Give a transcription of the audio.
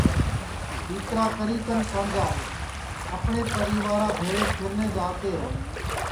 کھیکرا کری کن سانجا اپٹؔے پریوا بھیݪے پھیرنے جاوتے ہے